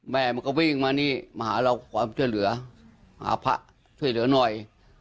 แม่มันก็วิ่งมานี่มาหาเราความช่วยเหลือหาพระช่วยเหลือหน่อย